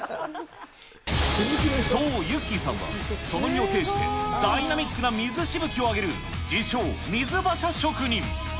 そう、ゆっｋｅｙさんはその身をていして、ダイナミックな水しぶきを上げる自称、水バシャ職人。